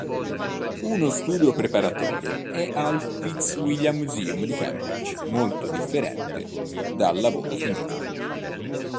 Uno studio preparatorio è al Fitzwilliam Museum di Cambridge, molto differente dal lavoro finito.